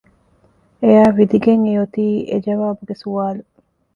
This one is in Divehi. އެއާ ވިދިގެން އެ އޮތީ އެ ޖަވާބުގެ ސުވާލު